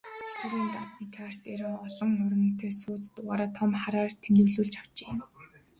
Тэтгэврийн дансны карт дээрээ олон оронтой нууц дугаараа том хараар тэмдэглүүлж авчээ.